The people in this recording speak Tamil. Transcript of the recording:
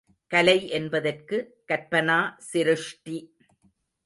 கலை என்பதற்கு கற்பனா சிருஷ்டி.